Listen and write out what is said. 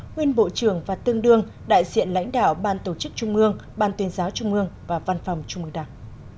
nguyên bộ trưởng và tương đương đại diện lãnh đạo ban tổ chức trung mương ban tuyên giáo trung mương và văn phòng trung mương đảng